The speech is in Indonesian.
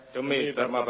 demi dharma bakti saya